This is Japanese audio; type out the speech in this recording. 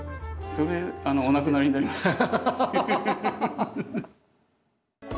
それお亡くなりになりますね。